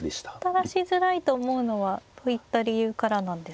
垂らしづらいと思うのはどういった理由からなんですか。